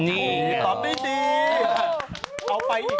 นี่ตอบดี